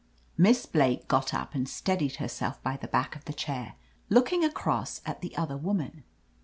Miss Blake got up and steadied herself by the back of the chair, looking across at the other woman.